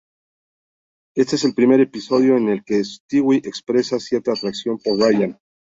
Este es el primer episodio en el que Stewie expresa cierta atracción por Brian.